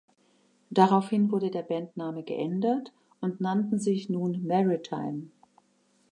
Daraufhin wurde der Bandname geändert und nannten sich nun Maritime.